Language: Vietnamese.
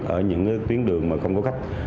ở những tuyến đường không có khách